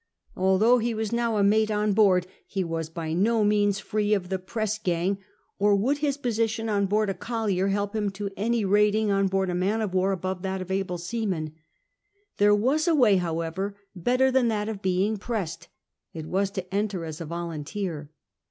Although he was now a mate on 26 CAPTAIN COON CHAP. II board, he was by no means free of the pressgang, nor would his ' position on board a collier help him to any rating on board a man of war above that of able seaman. There was a way, however, better than that of being pressed: it was to enter as a volunteer.